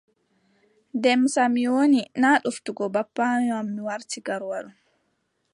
Demsa mi woni. naa ɗoftugo babbaayo am mi warti Garwa ɗo.